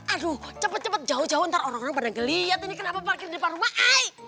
aduh cepet cepet jauh jauh ntar orang orang pada ngelihat ini kenapa parkir di depan rumah